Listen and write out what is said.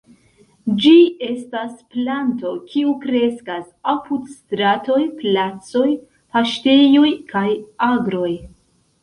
Ĝi estas planto, kiu kreskas apud stratoj, placoj, paŝtejoj kaj agroj.